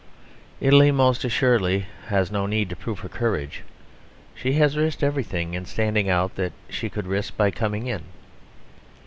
Italy, most assuredly, has no need to prove her courage. She has risked everything in standing out that she could risk by coming in.